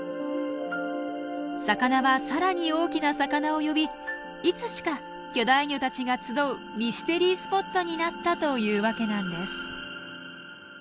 魚は更に大きな魚を呼びいつしか巨大魚たちが集うミステリースポットになったというわけなんです。